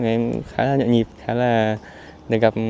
em khá là nhợn nhịp